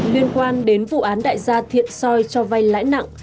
liên quan đến vụ án đại gia thiện soi cho vay lãi nặng